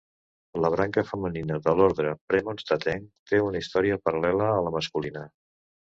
La branca femenina de l'Orde Premonstratenc té una història paral·lela a la masculina.